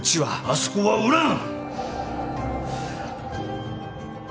あそこは売らん！